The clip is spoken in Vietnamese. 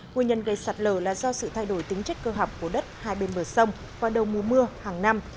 nguyên nhân gây sạt lở là do sự thay đổi tính chất cơ học của đất hai bên bờ sông vào đầu mùa mưa hàng năm